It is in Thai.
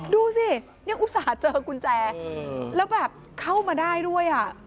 เข้าไปได้เลยดูสิยังอุตส่าห์เจอกุญแจแล้วแบบเข้ามาได้ด้วยอ่ะ